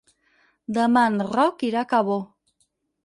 Demà en Roc irà a Cabó.